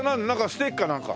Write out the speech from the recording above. ステーキかなんか？